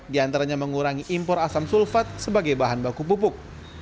diantaranya mengurangi impor asam sulfat sebagai bahan baku pupuk